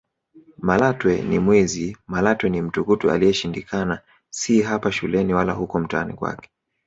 Malatwe ni mwizi Malatwe ni mtukutu aliyeshindikana si hapa shuleni wala huko mtaani kwake